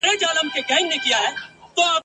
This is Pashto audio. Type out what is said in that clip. وخت به پر تڼاکو ستا تر کلي دروستلی یم ..